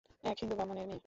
এক হিন্দু ব্রাহ্মণের মেয়ে।